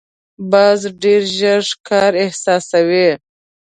باز ډېر ژر ښکار احساسوي